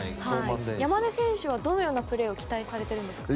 山根選手にはどのようなプレーを期待されてるんですか？